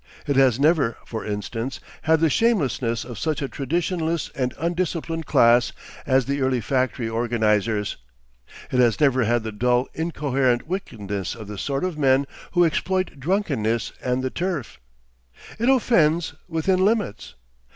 It has never for instance had the shamelessness of such a traditionless and undisciplined class as the early factory organisers. It has never had the dull incoherent wickedness of the sort of men who exploit drunkenness and the turf. It offends within limits.